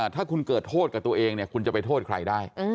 ถ้าคุณเกิดโทษกับตัวเองเนี่ยคุณจะไปโทษใครได้